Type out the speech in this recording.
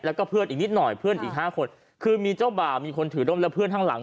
แล้วก็เพื่อนอีกนิดหน่อยเพื่อนอีกห้าคนคือมีเจ้าบ่าวมีคนถือร่มและเพื่อนข้างหลัง